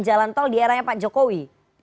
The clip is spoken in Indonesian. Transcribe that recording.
jalan tol di eranya pak jokowi